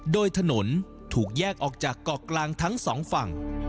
โดยถนนถูกแยกออกจากเกาะกลางทั้งสองฝั่ง